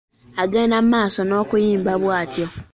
Agenda mu maaso n’okuyimba bwatyo.